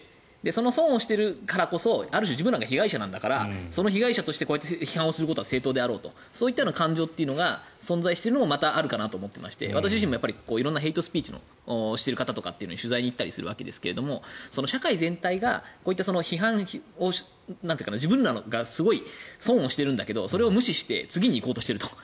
その損をしているからこそある種自分らは被害者なんだからその被害者として批判することは正当であるという感情が存在しているのもあるかなと思っていまして私自身も色んなヘイトスピーチをしている方とか取材をしに行ったりするわけですが社会全体がこういった批判を自分らはすごい損をしてるんだけどそれを無視して次に行こうとしていると。